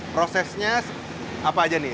prosesnya apa aja nih